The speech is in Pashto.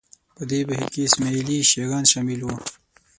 په دې بهیر کې اسماعیلي شیعه ګان شامل وو